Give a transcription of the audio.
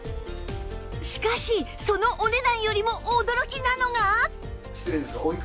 しかしそのお値段よりも驚きなのが